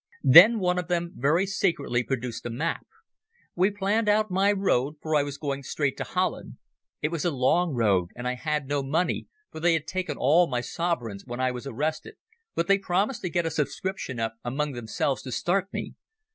Then one of them very secretly produced a map. We planned out my road, for I was going straight to Holland. It was a long road, and I had no money, for they had taken all my sovereigns when I was arrested, but they promised to get a subscription up among themselves to start me.